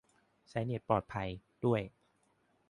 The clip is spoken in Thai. ใช้เน็ตปลอดภัย ด้วย